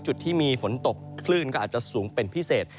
จุดที่มีฝนตกคลื่นก็อาจจะสูงเป็นพิเศษ